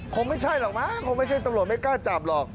คงไม่ใช่หรอกมั้งคงไม่ใช่ตำรวจไม่กล้าจับหรอก